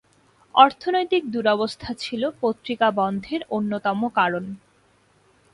অর্থনৈতিক দুরবস্থা ছিলো পত্রিকা বন্ধের অন্যতম কারণ।